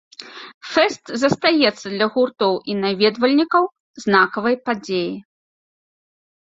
Фэст застаецца для гуртоў і наведвальнікаў знакавай падзеяй.